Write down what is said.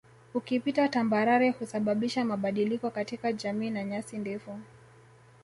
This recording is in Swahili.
Ukipita tambarare husababisha mabadiliko katika jami na nyasi ndefu